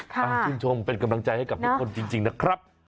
ชื่นชมเป็นกำลังใจให้กับทุกคนจริงนะครับ